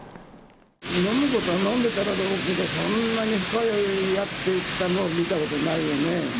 飲むときは飲んでいただろうけど、そんなに深酔いやってたのは見たことないよね。